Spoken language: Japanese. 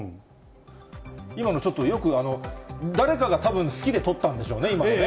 今のちょっとよく、誰かがたぶん、好きでとったんでしょうね、今のね。